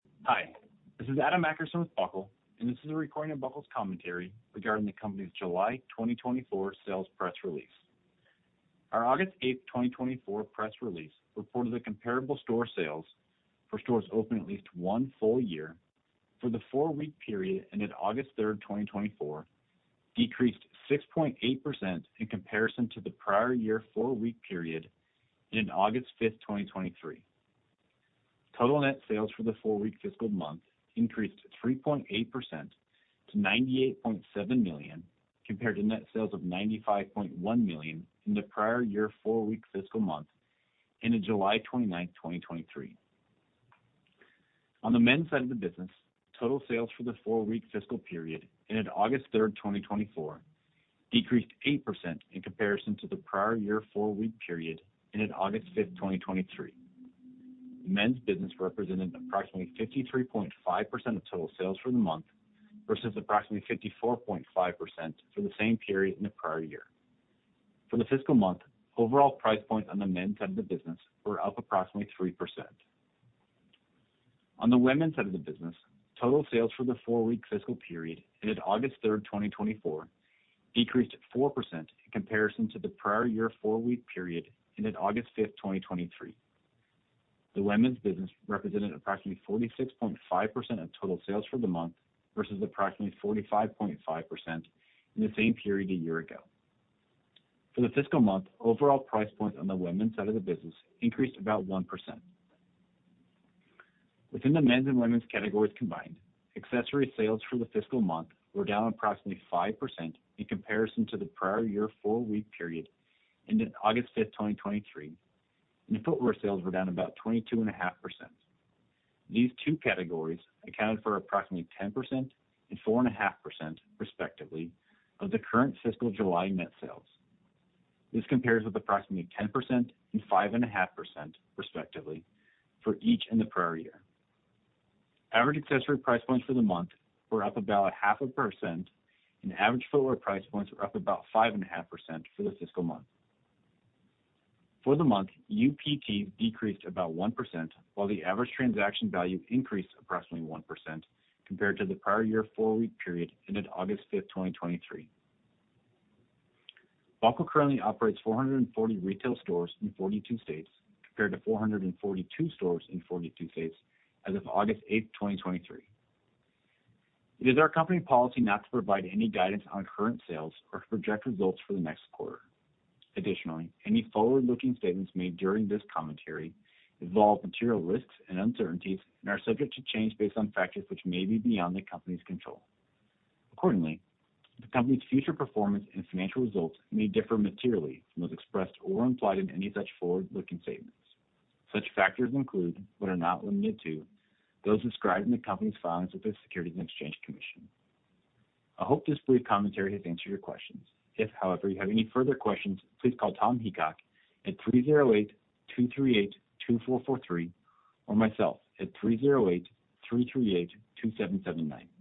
Hi, this is Adam Akerson with Buckle, and this is a recording of Buckle's commentary regarding the company's July 2024 sales press release. Our August 8, 2024, press release reported that comparable store sales for stores open at least one full year for the four-week period ended August 3, 2024, decreased 6.8% in comparison to the prior year four-week period ended August 5, 2023. Total net sales for the four-week fiscal month increased 3.8% to $98.7 million, compared to net sales of $95.1 million in the prior year four-week fiscal month ended July 29, 2023. On the men's side of the business, total sales for the four-week fiscal period ended August 3, 2024, decreased 8% in comparison to the prior year four-week period ended August 5, 2023. Men's business represented approximately 53.5% of total sales for the month, versus approximately 54.5% for the same period in the prior year. For the fiscal month, overall price points on the men's side of the business were up approximately 3%. On the women's side of the business, total sales for the four-week fiscal period ended August 3, 2024, decreased 4% in comparison to the prior year four-week period ended August 5, 2023. The women's business represented approximately 46.5% of total sales for the month, versus approximately 45.5% in the same period a year ago. For the fiscal month, overall price points on the women's side of the business increased about 1%. Within the men's and women's categories combined, accessory sales for the fiscal month were down approximately 5% in comparison to the prior year four-week period ended August 5, 2023, and footwear sales were down about 22.5%. These two categories accounted for approximately 10% and 4.5%, respectively, of the current fiscal July net sales. This compares with approximately 10% and 5.5%, respectively, for each in the prior year. Average accessory price points for the month were up about 0.5%, and average footwear price points were up about 5.5% for the fiscal month. For the month, UPT decreased about 1%, while the average transaction value increased approximately 1% compared to the prior year four-week period ended August 5, 2023. Buckle currently operates 440 retail stores in 42 states, compared to 442 stores in 42 states as of August 8, 2023. It is our company policy not to provide any guidance on current sales or to project results for the next quarter. Additionally, any forward-looking statements made during this commentary involve material risks and uncertainties and are subject to change based on factors which may be beyond the company's control. Accordingly, the company's future performance and financial results may differ materially from those expressed or implied in any such forward-looking statements. Such factors include, but are not limited to, those described in the company's filings with the Securities and Exchange Commission. I hope this brief commentary has answered your questions. If, however, you have any further questions, please call Tom Heacock at 308-238-2443, or myself at 308-338-2779.